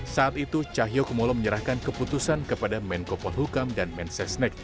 saat itu cahyokumol menyerahkan keputusan kepada menko polhukam dan men sesnek